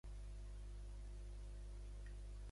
Quina botiga hi ha als jardins de Màlaga número noranta?